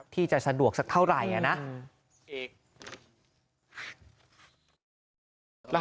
ที่จะสะดวกสักเท่าไหร่นะ